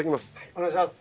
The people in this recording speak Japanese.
お願いします。